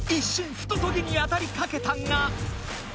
「ふとトゲ」に当たりかけたが。